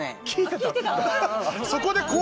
聞いてた。